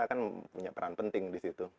kan punya peran penting di situ